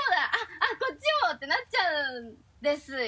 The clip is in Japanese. あっこっちも！ってなっちゃうんですよ。